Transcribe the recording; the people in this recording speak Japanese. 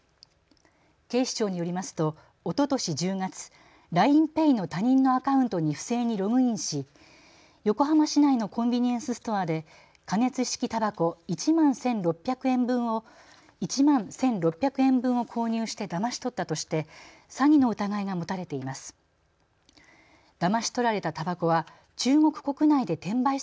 警視庁によりますとおととし１０月、ＬＩＮＥＰａｙの他人のアカウントに不正にログインし横浜市内のコンビニエンスストアで加熱式たばこ１万１６００円分を購入してだまし取ったとして詐欺の疑いが持たれています。